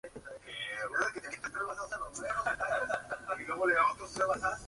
Las prostaglandinas se producen en diferentes regiones anatómicas del riñón.